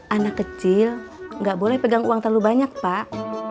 anak kecil nggak boleh pegang uang terlalu banyak pak